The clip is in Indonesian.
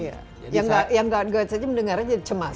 yang gak gerd saja mendengarnya cemas